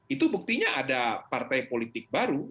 itu buktinya ada partai politik baru